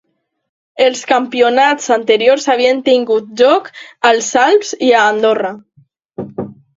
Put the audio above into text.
Els campionats anteriors havien tingut lloc als Alps i a Andorra.